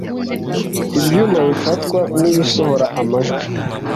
ibyuma bifatwa n’ ibisohora amajwi .